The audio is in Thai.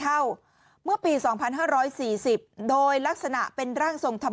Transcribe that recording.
โอ้ยโอ้ยโอ้ยโอ้ยโอ้ย